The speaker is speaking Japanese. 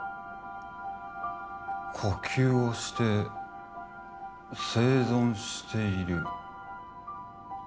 呼吸をして生存している